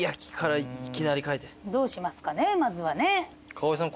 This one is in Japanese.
川合さん